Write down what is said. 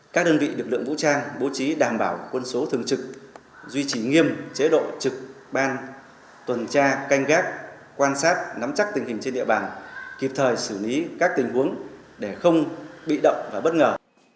các đơn vị lực lượng vũ trang bố trí đảm bảo quân số thường trực duy trì nghiêm chế độ trực ban tuần tra canh gác quan sát nắm chắc tình hình trên địa bàn kịp thời xử lý các tình huống để không bị động và bất ngờ